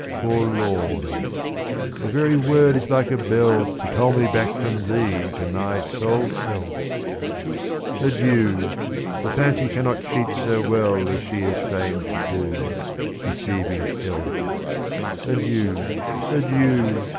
70 Forlorn! the very word is like a bell To toll me back from thee to my sole self! Adieu! the Fancy cannot cheat so well As she is famed to do, deceiving elf. Adieu! adieu!